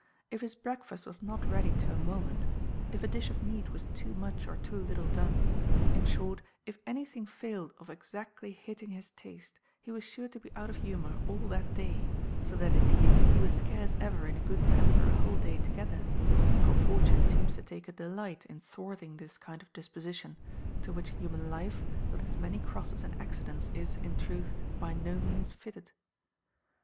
If his breakfast was not ready to a moment if a dish of meat was too much or too little done in short, if anything failed of exactly hitting his taste, he was sure to be out of humour all that day, so that, indeed, he was scarce ever in a good temper a whole day together; for fortune seems to take a delight in thwarting this kind of disposition, to which human life, with its many crosses and accidents, is, in truth, by no means fitted.